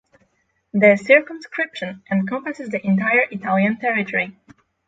The circumscription encompasses the entire Italian territory.